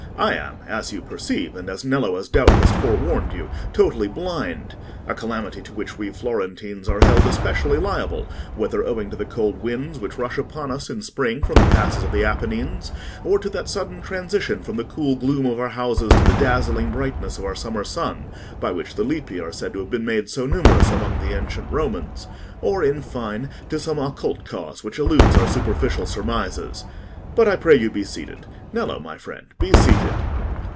I am, as you perceive, and as Nello has doubtless forewarned you, totally blind: a calamity to which we Florentines are held especially liable, whether owing to the cold winds which rush upon us in spring from the passes of the Apennines, or to that sudden transition from the cool gloom of our houses to the dazzling brightness of our summer sun, by which the lippi are said to have been made so numerous among the ancient Romans; or, in fine, to some occult cause which eludes our superficial surmises. But I pray you be seated: Nello, my friend, be seated."